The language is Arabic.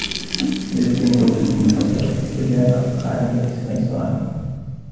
فلسطين دولة محتلة و الاحتلال اطلق عليها اسم اسرائيل